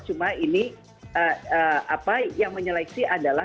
cuma ini apa yang menyeleksi adalah